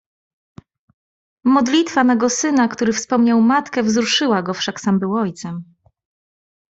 "Modlitwa mego syna, który wspominał matkę, wzruszyła go... wszak sam był ojcem..."